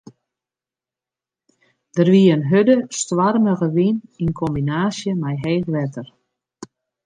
Der wie in hurde, stoarmige wyn yn kombinaasje mei heech wetter.